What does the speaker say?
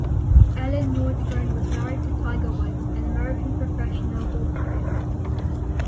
Elin Nordegren was married to Tiger Woods, an American professional golf player.